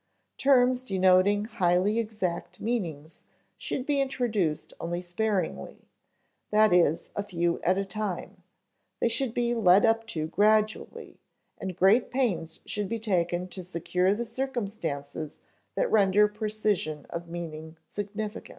Terms denoting highly exact meanings should be introduced only sparingly, that is, a few at a time; they should be led up to gradually, and great pains should be taken to secure the circumstances that render precision of meaning significant.